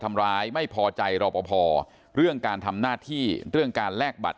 ทำร้ายไม่พอใจรอปภเรื่องการทำหน้าที่เรื่องการแลกบัตร